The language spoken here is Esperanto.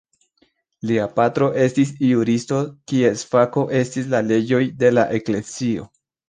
Lia patro estis juristo kies fako estis la leĝoj de la eklezio.